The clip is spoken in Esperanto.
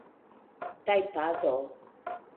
tajpado